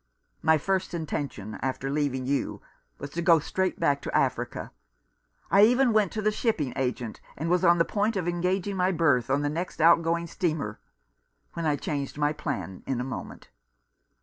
My first intention after leaving you was to go straight back to Africa — I even went to the Shipping Agent, and was on the point of engaging my berth on the next outgoing steamer, when I changed my plan in a moment.